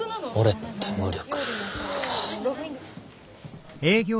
俺って無力。